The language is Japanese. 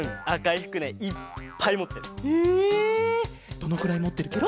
どのくらいもってるケロ？